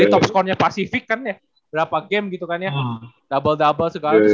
jadi top score nya pacific kan ya berapa game gitu kan ya double double segala